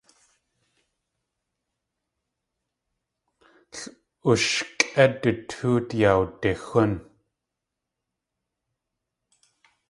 L ushkʼé du tóot yawdixún.